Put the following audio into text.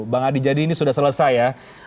bang adi jadi ini sudah selesai ya